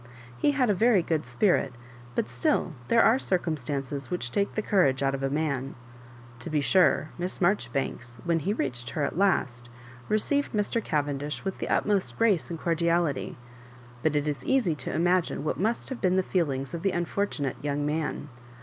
He had a very good spirit, but still there are circumstances which take the courage out of a man. To be sure, Miss Maijoribanks, when he reached her at last, received Mr. Cavendish with the utmost grace and cordiality; but it is easy to imagine what must have been the feelings of the unfortu nate young man.